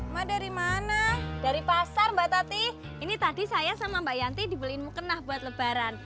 mah dari mana dari pasar mbak tati ini tadi saya sama mbak yanti dibeliin mukena buat lebaran